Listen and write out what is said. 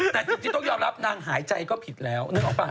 แต่ต้องยอมรับนางหายใจก็ผิดแล้ว